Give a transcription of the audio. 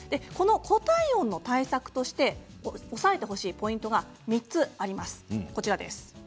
固体音の対策として押さえてほしいポイントは３つあります。